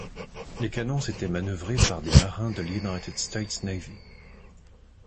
Les canons étaient manœuvrés par des marins de l'United States Navy.